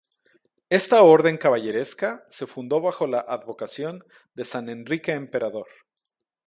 Esta orden caballeresca se fundó bajo la advocación de San Enrique Emperador.